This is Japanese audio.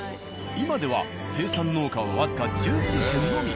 今では生産農家は僅か十数軒のみ。